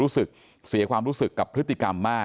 รู้สึกเสียความรู้สึกกับพฤติกรรมมาก